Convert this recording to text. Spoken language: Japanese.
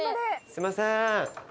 すみません。